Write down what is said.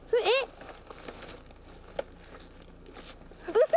うそ！